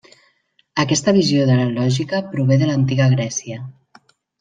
Aquesta visió de la lògica prové de l'antiga Grècia.